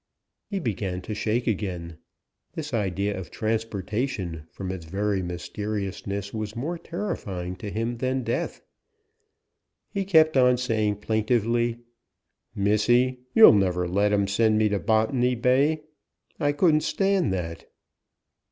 He began to shake again: this idea of transportation, from its very mysteriousness, was more terrifying to him than death. He kept on saying plaintively, "Missy, you'll never let 'em send me to Botany Bay; I couldn't stand that."